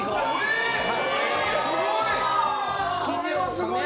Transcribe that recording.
すごい！